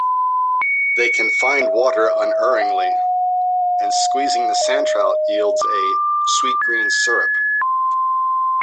They can find water unerringly, and squeezing the sandtrout yields a "sweet green syrup".